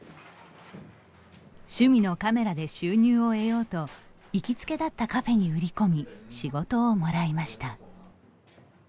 趣味のカメラで収入を得ようと行きつけだったカフェに売り込み仕事をもらいました。